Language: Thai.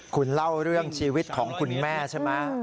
คุณเล่าเรื่องชีวิตของคุณแม่ใช่ไหม